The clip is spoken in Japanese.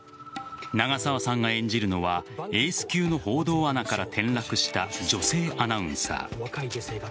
長澤さんが演じるのはエース級の報道アナから転落した女性アナウンサー。